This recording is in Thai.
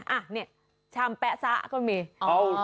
อ่ะเนี่ยชามแป๊ะซะก็มี